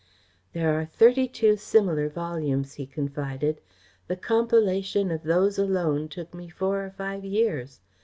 "There are thirty two similar volumes," he confided. "The compilation of those alone took me four or five years.